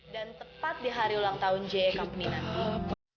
dan tepat di hari ulang tahun j e company nanti